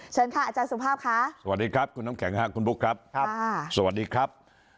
เชิญค่ะอาจารย์สุภาพค่ะสวัสดีครับคุณน้ำแข็งค่ะคุณบุ๊คครับครับสวัสดีครับ